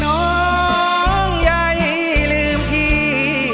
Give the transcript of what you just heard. น้องใหญ่ลืมพี่